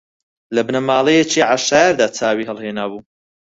لە بنەماڵەیەکی عەشایەردا چاوی ھەڵھێنابوو